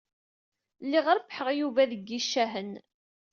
Lliɣ rebbḥeɣ Yuba deg yicahen.